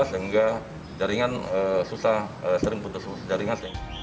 sehingga jaringan susah sering putus jaringan